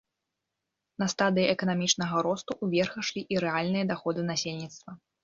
На стадыі эканамічнага росту ўверх ішлі і рэальныя даходы насельніцтва.